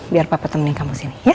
biar papa temenin kamu sini